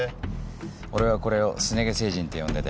俺はこれを「すね毛星人」って呼んでて。